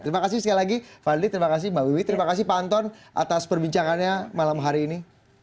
terima kasih sekali lagi fadli terima kasih mbak wiwi terima kasih pak anton atas perbincangannya malam hari ini